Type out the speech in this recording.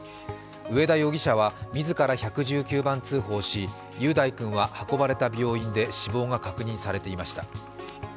上田容疑者は自ら１１９番通報し、雄大君は運ばれた病院で死亡が確認されていました。